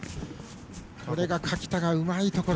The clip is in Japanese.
これが垣田のうまいところ。